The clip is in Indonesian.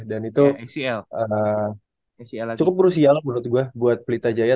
dan itu cukup berusia menurut gue buat pelita jaya